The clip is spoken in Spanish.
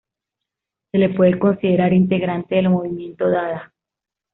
Se le puede considerar integrante del movimiento dada.